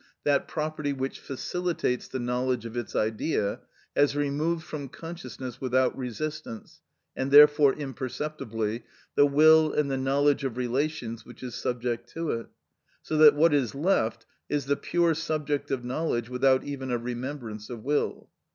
_, that property which facilitates the knowledge of its Idea, has removed from consciousness without resistance, and therefore imperceptibly, the will and the knowledge of relations which is subject to it, so that what is left is the pure subject of knowledge without even a remembrance of will.